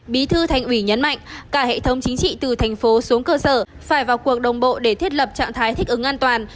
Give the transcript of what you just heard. bí thư thành ủy nhấn mạnh cả hệ thống chính trị từ thành phố xuống cơ sở phải vào cuộc đồng bộ để thiết lập trạng thái thích ứng an toàn